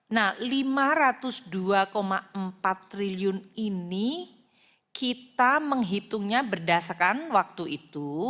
nah lima ratus dua empat triliun ini kita menghitungnya berdasarkan waktu itu